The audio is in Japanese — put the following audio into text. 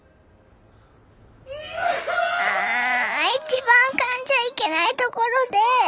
一番かんじゃいけないところで！